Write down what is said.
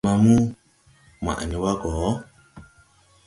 Maamu, maʼ ne wa go!